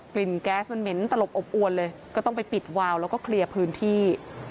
ลิ่นแก๊สมันเหม็นตลบอบอวนเลยก็ต้องไปปิดวาวแล้วก็เคลียร์พื้นที่